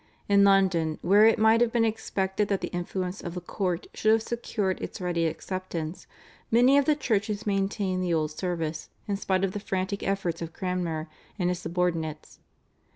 In London, where it might have been expected that the influence of the court should have secured its ready acceptance, many of the churches maintained the old service in spite of the frantic efforts of Cranmer and his subordinates.